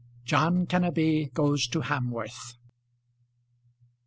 JOHN KENNEBY GOES TO HAMWORTH.